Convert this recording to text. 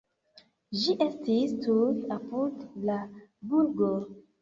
Ĝi estis tuj apud la burgo.